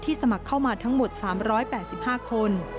สมัครเข้ามาทั้งหมด๓๘๕คน